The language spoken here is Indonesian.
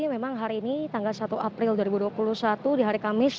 memang hari ini tanggal satu april dua ribu dua puluh satu di hari kamis